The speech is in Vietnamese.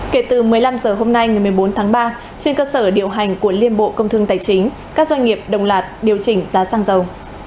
kể từ một mươi năm h hôm nay ngày một mươi bốn tháng ba trên cơ sở điều hành của liên bộ công thương tài chính các doanh nghiệp đồng lạt điều chỉnh giá xăng dầu